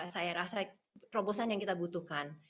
saya rasa terobosan yang kita butuhkan